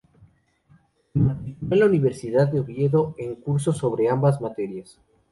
Se matriculó en la Universidad de Oviedo en cursos sobre ambas materias.